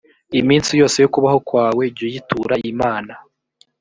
iminsi yose yo kubaho kwawe jyuyitura imana.